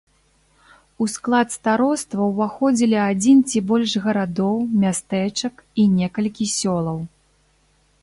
У склад староства ўваходзілі адзін ці больш гарадоў, мястэчак і некалькі сёлаў.